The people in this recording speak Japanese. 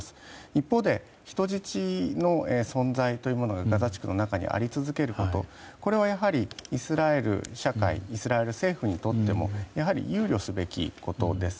一方で人質の存在というものがガザ地区の中にあり続けることこれはやはりイスラエル社会イスラエル政府にとっても憂慮すべきことです。